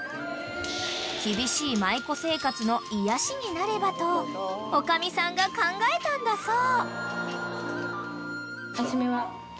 ［厳しい舞妓生活の癒やしになればと女将さんが考えたんだそう］